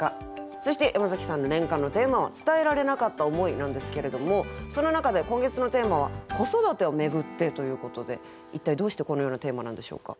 そして山崎さんの年間のテーマは「伝えられなかった思い」なんですけれどもその中で今月のテーマは「『子育て』をめぐって」ということで一体どうしてこのようなテーマなんでしょうか？